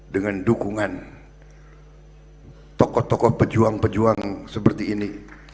dengan dukungan tokoh tokoh pejuang pejuang seperti ini